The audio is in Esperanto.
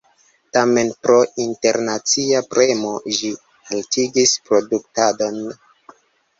Tamen pro internacia premo ĝi haltigis produktadon.